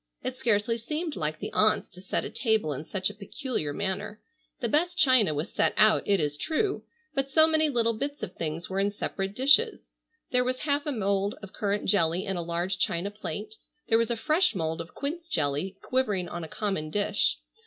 It scarcely seemed like the aunts to set a table in such a peculiar manner. The best china was set out, it is true, but so many little bits of things were in separate dishes. There was half a mould of currant jelly in a large china plate, there was a fresh mould of quince jelly quivering on a common dish.